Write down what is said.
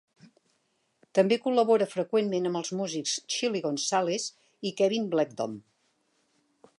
També col·labora freqüentment amb els músics Chilly Gonzales i Kevin Blechdom.